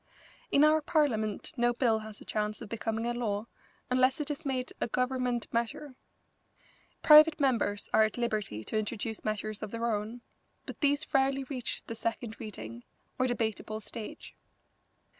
In our Parliament no bill has a chance of becoming a law unless it is made a Government measure. Private members are at liberty to introduce measures of their own, but these rarely reach the second reading, or debatable stage.